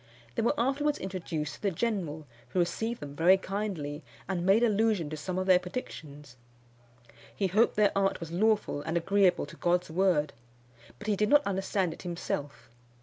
They were afterwards introduced to the general, who received them very kindly, and made allusion to some of their predictions. He hoped their art was lawful and agreeable to God's word; but he did not understand it himself.